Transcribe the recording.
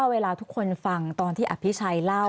แต่ได้ยินจากคนอื่นแต่ได้ยินจากคนอื่น